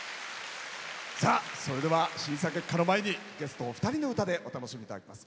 それでは審査結果の前にゲストお二人の歌でお楽しみいただきます。